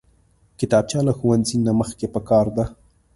کتابچه له ښوونځي نه مخکې پکار ده